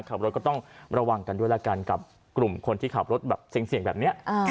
ขับรถก็ต้องระวังกันด้วยละกันกับกลุ่มคนที่ขับรถแบบเสี่ยงแบบนี้